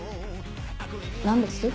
何です？